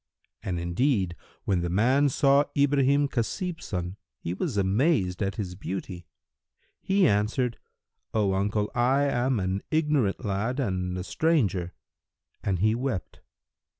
And indeed, when the man saw Ibrahim Khasib son, he was amazed at his beauty. He answered, "O uncle, I am an ignorant lad and a stranger," and he wept.